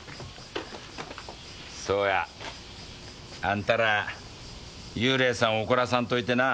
そうや。あんたら幽霊さんを怒らさんといてな。